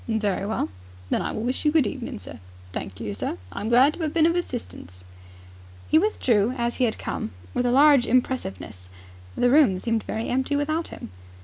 "Very well." "Then I will wish you good evening, sir. Thank you, sir. I am glad to 'ave been of assistance." He withdrew as he had come, with a large impressiveness. The room seemed very empty without him.